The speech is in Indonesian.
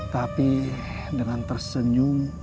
tapi dengan tersenyum